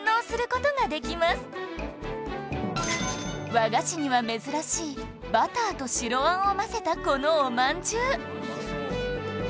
和菓子には珍しいバターと白あんを混ぜたこのおまんじゅう